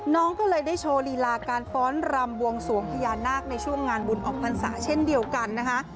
น้องก็เลยได้โชว์ลีลาการฟ้อนรำบวงสวงพญานาคในช่วงงานบุญออกพรรษาเช่นเดียวกันนะคะ